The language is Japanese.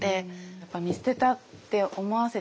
やっぱ見捨てたって思わせてはいけない。